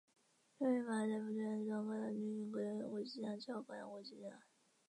位于马尔代夫最南端甘岛上另一个国际机场叫甘岛国际机场。